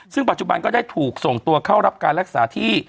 ซึ่งปัจจุบันก็ได้ถูกส่งตัวเข้ารับการรักษาที่